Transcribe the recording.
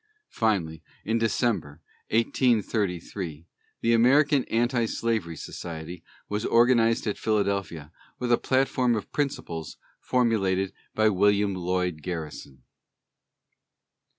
Finally, in December, 1833, the American Anti Slavery Society was organized at Philadelphia, with a platform of principles formulated by William Lloyd Garrison.